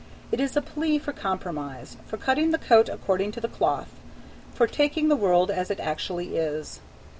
It is a plea for Compromise, for cutting the coat according to the cloth, for taking the world as it actually is.